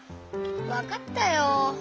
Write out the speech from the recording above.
わかったよ。